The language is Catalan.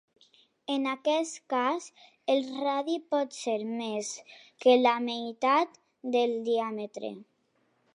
En aquest cas, el radi pot ser més que la meitat del diàmetre.